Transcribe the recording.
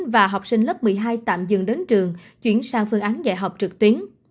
và học sinh lớp một mươi hai tạm dừng đến trường chuyển sang phương án dạy học trực tuyến